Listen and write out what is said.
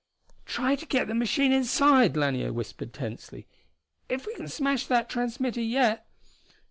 "Try to get the machine inside!" Lanier whispered tensely. "If we can smash that transmitter yet...."